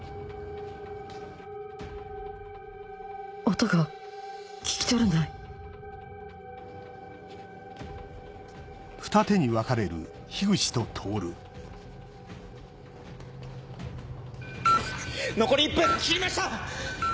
音が聞き取れない残り１分切りました！